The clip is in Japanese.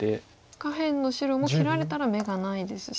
下辺の白も切られたら眼がないですし。